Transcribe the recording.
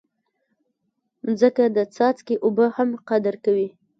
مځکه د څاڅکي اوبه هم قدر کوي.